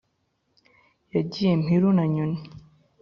yagiye mpiru na nyoni